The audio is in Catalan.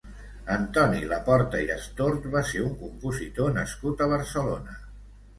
Antoni Laporta i Astort va ser un compositor nascut a Barcelona.